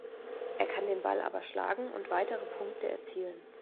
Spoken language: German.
Er kann den Ball aber schlagen und weitere Punkte erzielen.